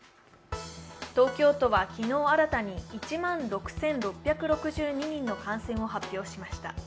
東京都は昨日新たに１万６６６２人の感染を発表しました。